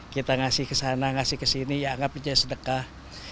kita ngasih kesana ngasih kesini ya anggapnya sedekah